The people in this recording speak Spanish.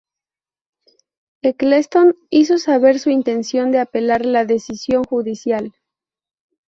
Ecclestone hizo saber su intención de apelar la decisión judicial.